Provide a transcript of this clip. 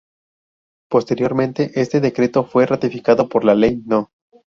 Posteriormente, este decreto fue ratificado por la Ley No.